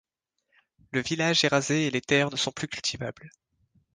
Le village est rasé et les terres ne sont plus cultivables.